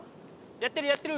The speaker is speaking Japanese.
やってるやってる！